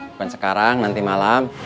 bukan sekarang nanti malam